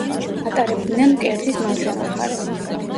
ატარებდნენ მკერდის მარჯვენა მხარეს.